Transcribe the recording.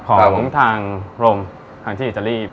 ของทางโรงทางที่อิตาลี